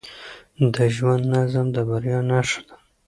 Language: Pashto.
د ژوند نظم د بریا نښه ده.